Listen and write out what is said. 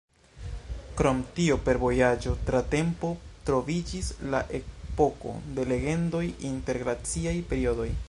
Krom tio, per vojaĝo tra tempo troviĝis la Epoko de Legendoj inter glaciaj periodoj.